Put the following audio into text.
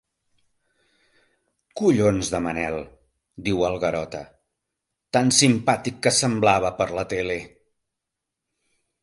Collons de Manel —diu el Garota—, tan simpàtic que semblava, per la tele!